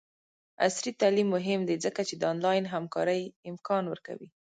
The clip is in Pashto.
عصري تعلیم مهم دی ځکه چې د آنلاین همکارۍ امکان ورکوي.